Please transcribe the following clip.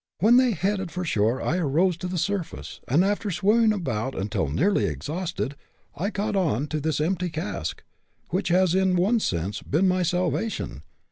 When they headed for shore I arose to the surface, and after swimming about until nearly exhausted, I caught onto this empty cask, which has in one sense been my salvation.